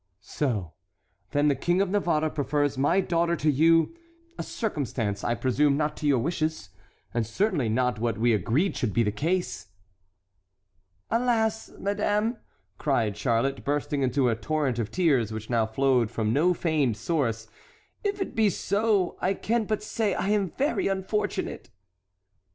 "So, then, the King of Navarre prefers my daughter to you; a circumstance, I presume, not to your wishes, and certainly not what we agreed should be the case." "Alas, madame," cried Charlotte, bursting into a torrent of tears which now flowed from no feigned source, "if it be so, I can but say I am very unfortunate!"